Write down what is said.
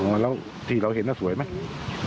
หอแล้วที่เราเห็นแล้วสวยไหม